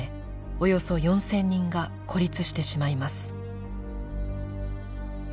およそ４０００人が孤立してしまいます。